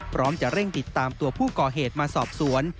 พร้อมจะเร่งติดตามตัวผู้ก่อเหตุมาสอบสวน